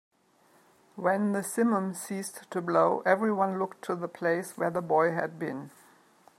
When the simum ceased to blow, everyone looked to the place where the boy had been.